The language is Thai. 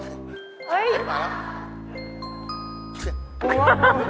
เฮ้ยมาแล้ว